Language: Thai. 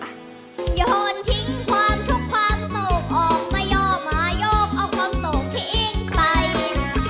อย่าโทษทิ้งความทุกความโสขออกไม่ยอมมายกเอาความโสขที่อิ่งใกล้